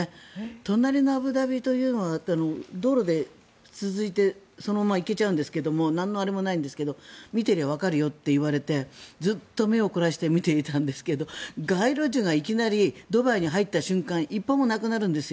隣のアブダビというのは道路で続いてそのまま行けちゃうんですけどなんのあれもないんですけど見ていればわかるよと言われてずっと目を凝らして見ていたんですが街路樹がいきなりドバイに入った瞬間に１本もなくなるんです。